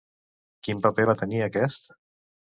Quin paper va tenir aquest?